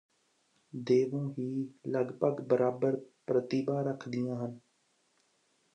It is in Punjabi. ਦੋਵੇਂ ਹੀ ਲਗਭਗ ਬਰਾਬਰ ਪ੍ਰਤਿਭਾ ਰੱਖਦੀਆਂ ਹਨ